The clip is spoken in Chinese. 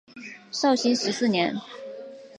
绍兴十四年。